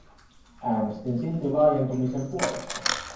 Äänestin silti laajentumisen puolesta.